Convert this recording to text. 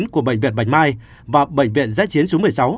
của bệnh viện bạch mai và bệnh viện giã chiến số một mươi sáu